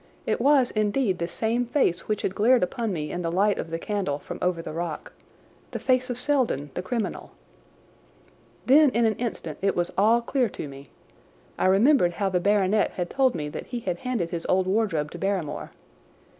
It was indeed the same face which had glared upon me in the light of the candle from over the rock—the face of Selden, the criminal. Then in an instant it was all clear to me. I remembered how the baronet had told me that he had handed his old wardrobe to Barrymore.